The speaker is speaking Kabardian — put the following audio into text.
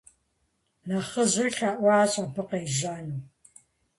Нэхъыжьыр лъэӀуащ абы къежьэну.